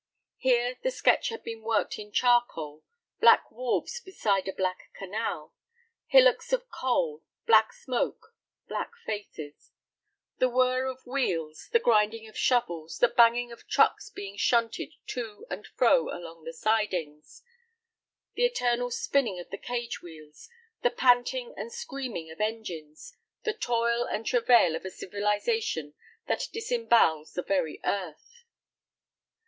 Here the sketch had been worked in charcoal, black wharves beside a black canal, hillocks of coal, black smoke, black faces. The whirr of wheels, the grinding of shovels, the banging of trucks being shunted to and fro along the sidings. The eternal spinning of the cage wheels, the panting and screaming of engines, the toil and travail of a civilization that disembowels the very earth.